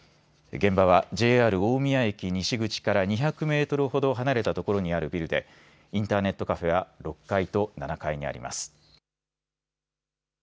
現場はＪＲ大宮駅西口から２００メートほど離れた所にあるビルでインターネットカフェは６階と７階にあります。